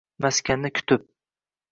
Maskanni kutib.